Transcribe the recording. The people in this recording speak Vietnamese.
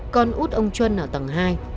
con út ông chuyên ở tầng hai